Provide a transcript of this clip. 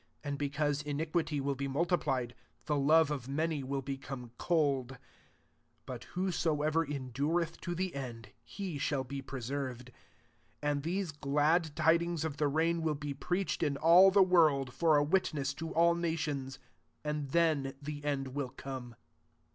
12 And because iniquity will be multiplied, the love of many will become cold: 13 but whosoever endureth to the end, he shall be preserved. 14 And these glad tidings of the reign will be preached in all the world, lor a witness to all nations; and then the end will come.